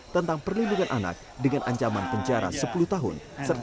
tentang perlindungan anak dengan ancaman penjara sepuluh tahun